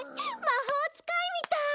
魔法使いみたい！